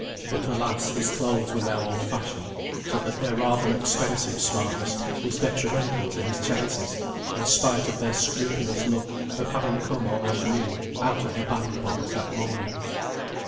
But alas, his clothes were now old fashioned, so that their rather expensive smartness was detrimental to his chances, in spite of their scrupulous look of having come almost new out of the bandbox that morning.